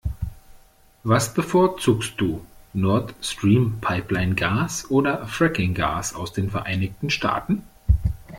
Was bevorzugst du, Nord-Stream-Pipeline-Gas oder Fracking-Gas aus den Vereinigten Staaten?